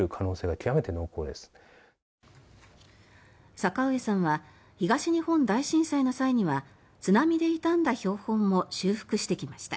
坂上さんは東日本大震災の際には津波で傷んだ標本も修復してきました。